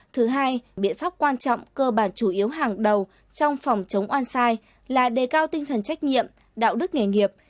thứ hai biện pháp quan trọng cơ bản chủ yếu hàng đầu trong phòng chống oan sai là đề cao tinh thần trách nhiệm đạo đức nghề nghiệp